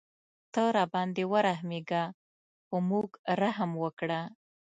ته راباندې ورحمېږه په موږ رحم وکړه.